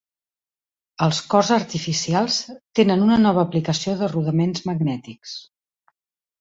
Els cors artificials tenen una nova aplicació de rodaments magnètics.